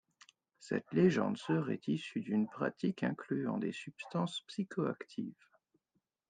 Cette légende serait issue d'une pratique incluant des substances psychoactives.